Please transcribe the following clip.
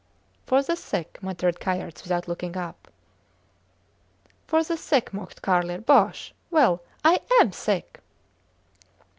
For the sick, muttered Kayerts, without looking up. For the sick, mocked Carlier. Bosh! ... Well! I am sick.